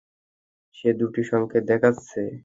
সে দুটি সংকেত দেখাচ্ছে।